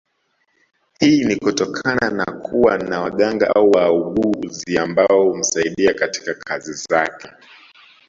Hii ni kutokana na kuwa na waganga au waaguzi ambao humsaidia katika kazi zake